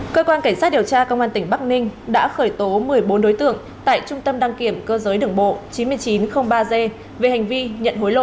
cơ quan cảnh sát điều tra công an tỉnh bắc ninh đã khởi tố một mươi bốn đối tượng tại trung tâm đăng kiểm cơ giới đường bộ chín nghìn chín trăm linh ba g về hành vi nhận hối lộ